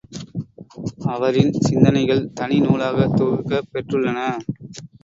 அவரின் சிந்தனைகள் தனி நூலாகத் தொகுக்கப் பெற்றுள்ளன.